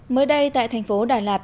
mới đây tại thành phố đà lạt